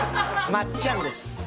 まっちゃんです。